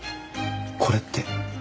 これって。